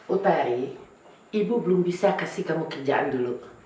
utari ibu belum bisa kasih kamu kerjaan dulu